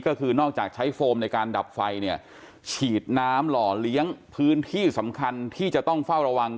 ก็คือนอกจากใช้โฟมในการดับไฟเนี่ยฉีดน้ำหล่อเลี้ยงพื้นที่สำคัญที่จะต้องเฝ้าระวัง